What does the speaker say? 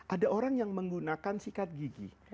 ada orang yang menggunakan sikat gigi